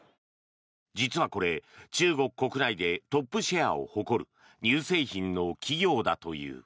実はこれ、中国国内でトップシェアを誇る乳製品の企業だという。